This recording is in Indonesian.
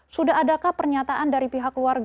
sudah adakah pernyataan dari pihak keluarga